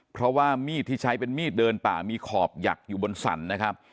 เพราะว่ามีดที่ใช้เป็นมีดเดินป่ามีขอบหยักอยู่บนสรรนะครับ